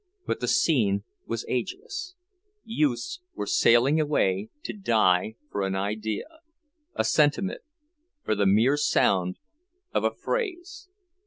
But the scene was ageless; youths were sailing away to die for an idea, a sentiment, for the mere sound of a phrase...